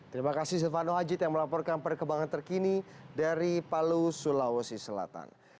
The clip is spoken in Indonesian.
terima kasih silvano haji yang melaporkan perkembangan terkini dari palu sulawesi selatan